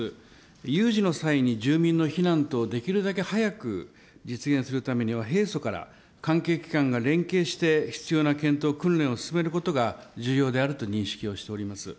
有事の際に住民の避難等、できるだけ早く実現するためには、平素から関係機関が連携して必要な検討、訓練を進めることが重要であると認識をしております。